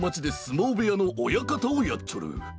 もうべやの親方をやっちょる。